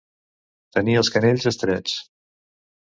Tenir els canells estrets.